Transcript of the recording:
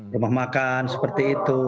rumah makan seperti itu